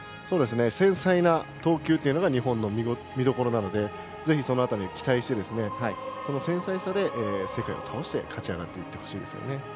繊細な投球が日本の見どころなのでぜひ期待してその繊細さで世界を倒して勝ち上がっていってほしいです。